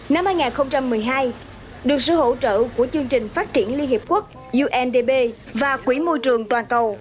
năm hai nghìn một mươi hai được sự hỗ trợ của chương trình phát triển liên hiệp quốc undb và quỹ môi trường toàn cầu